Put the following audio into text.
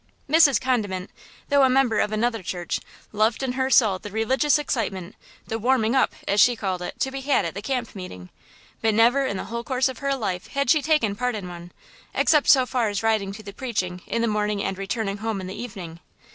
Mrs. Condiment, though a member of another church, loved in her soul the religious excitement–"the warming up," as she called it, to be had at the camp meeting! But never in the whole course of her life had she taken part in one, except so far as riding to the preaching in the morning and returning home in the evening.